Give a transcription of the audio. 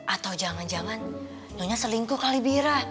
atau jangan jangan nyonya selingkuh kali bira